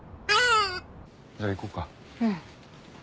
じゃあ行こうか。